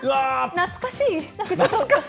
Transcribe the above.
懐かしい？